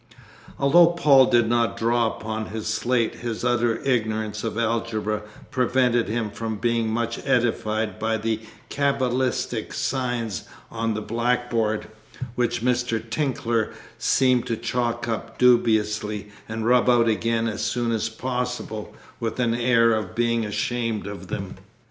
Although Paul did not draw upon his slate, his utter ignorance of Algebra prevented him from being much edified by the cabalistic signs on the blackboard, which Mr. Tinkler seemed to chalk up dubiously, and rub out again as soon as possible, with an air of being ashamed of them.